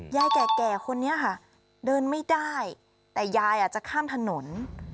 ยายแก่คนนี้ค่ะเดินไม่ได้แต่ยายอาจจะข้ามถนน